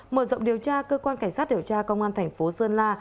mở rộng điều tra cơ quan cảnh sát điều tra công an thành phố sơn la